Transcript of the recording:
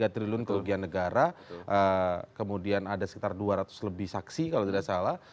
tiga triliun kerugian negara kemudian ada sekitar dua ratus lebih saksi kalau tidak salah